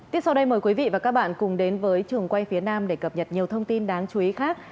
tiếp sau đây mời quý vị và các bạn cùng đến với trường quay phía nam để cập nhật nhiều thông tin đáng chú ý khác